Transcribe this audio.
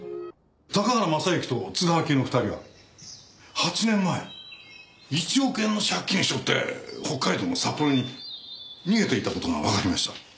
高原雅之と津田明江の２人は８年前１億円の借金を背負って北海道の札幌に逃げていた事がわかりました。